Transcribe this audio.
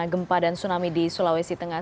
gempa dan tsunami di sulawesi tengah